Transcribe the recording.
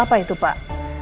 hal apa itu pak